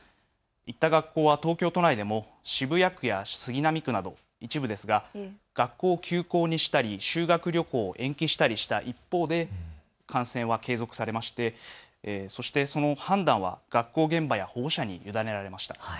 東京都内でも杉並区や渋谷区など一部ですが学校を休校にしたり修学旅行を延期にしたりする一方で観戦は継続されましてそしてその判断は学校現場や保護者に委ねられました。